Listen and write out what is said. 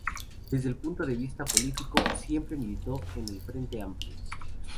Desde el punto de vista político siempre militó en el Frente Amplio.